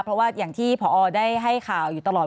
เพราะว่าอย่างที่พอได้ให้ข่าวอยู่ตลอด